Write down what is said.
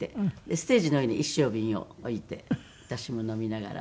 ステージの上に一升瓶を置いて私も飲みながら。